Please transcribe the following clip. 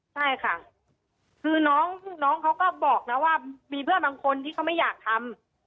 ใช่ค่ะคือน้องเขาก็บอกนะว่ามีเพื่อนบางคนที่เขาไม่อยากทำ